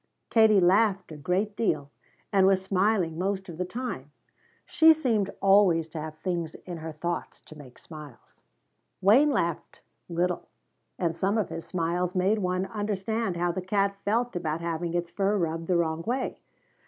Katie laughed a great deal, and was smiling most of the time; she seemed always to have things in her thoughts to make smiles. Wayne laughed little and some of his smiles made one understand how the cat felt about having its fur rubbed the wrong way.